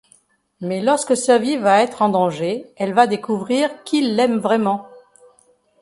Mais lorsque sa vie va être en danger, elle va découvrir qui l'aime vraiment.